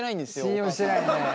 信用してないね。